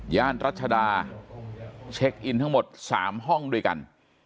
รัชดาเช็คอินทั้งหมด๓ห้องด้วยกัน